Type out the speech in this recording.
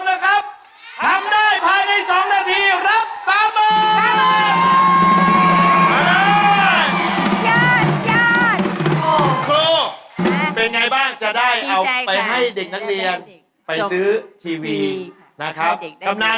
แม่เซาหายพร้อมนะ